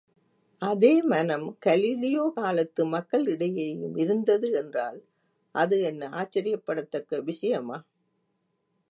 அதே மனம் கலீலியோ காலத்து மக்கள் இடையேயும் இருந்தது என்றால் அது என்ன ஆச்சரியப்படத்தக்க விஷயமா!